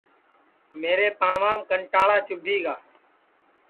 میرے پانٚوام کنٹاݪا چُوبھی گا